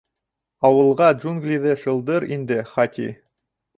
Ауылға джунглиҙы шылдыр инде, Хати.